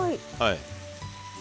はい。